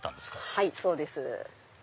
はいそうです。